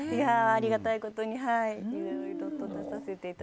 ありがたいことにはい。